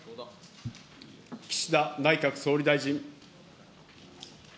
岸田内閣総理大臣。